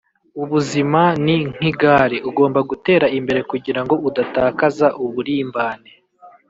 ubuzima ni nkigare, ugomba gutera imbere kugirango udatakaza uburimbane.